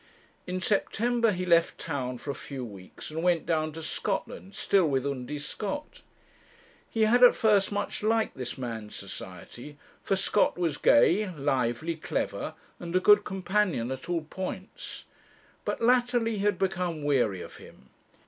In September he left town for a few weeks and went down to Scotland, still with Undy Scott. He had at first much liked this man's society, for Scott was gay, lively, clever, and a good companion at all points. But latterly he had become weary of him.